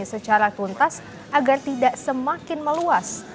secara tuntas agar tidak semakin meluas